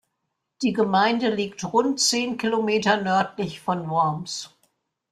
Die Gemeinde liegt rund zehn Kilometer nördlich von Worms.